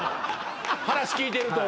話聞いてると。